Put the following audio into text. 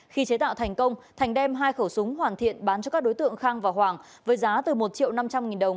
khi chế tạo thành công thành đem hai khẩu súng hoàn thiện bán cho các đối tượng khang và hoàng với giá từ một triệu năm trăm linh nghìn đồng